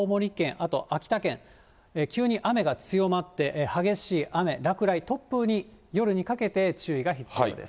あと秋田県、急に雨が強まって、激しい雨、落雷、突風に、夜にかけて注意が必要です。